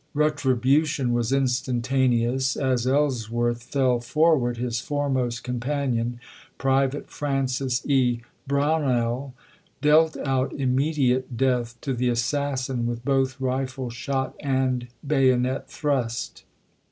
Retribution was instantaneouSo As Ells worth fell forward, his foremost companion, pri vate Francis E. Brownell, dealt out immediate death to the assassin with both rifle shot and bayonet thrust.